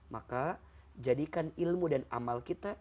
maka jadikan ilmu dan amal kita